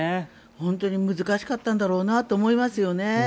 本当に難しかったんだろうと思いますよね。